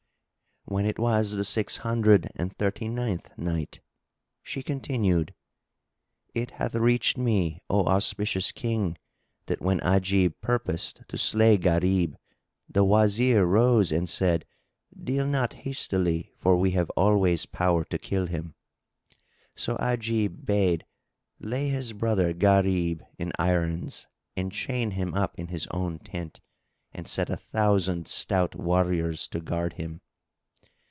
When it was the Six Hundred and Thirty ninth Night, She continued, It hath reached me, O auspicious King, that when Ajib purposed to slay Gharib, the Wazir rose and said, "Deal not hastily, for we have always power to kill him!" So Ajib bade lay his brother Gharib in irons and chain him up in his own tent and set a thousand stout warriors to guard him.